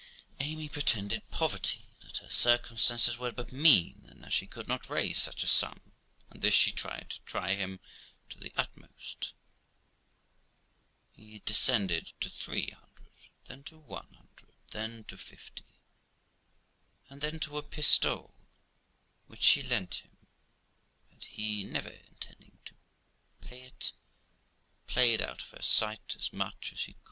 Amy pretended poverty, that her circumstances were but mean, and that she could not raise such a sum; and this she did to try him to the utmost He descended to three hundred, then to one hundred, then to fifty, and then to a pistole, which she lent him, and he, never intending to pay it, played out of her sight as much as he could.